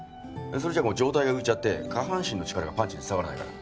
それじゃ上体が浮いちゃって下半身の力がパンチに伝わらないから。